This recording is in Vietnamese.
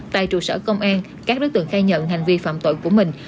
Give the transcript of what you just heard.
tại trụ sở công an các đối tượng khai nhận hành vi phạm tội của mình